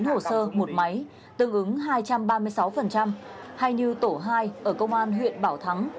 bốn hồ sơ một máy tương ứng hai trăm ba mươi sáu hay như tổ hai ở công an huyện bảo thắng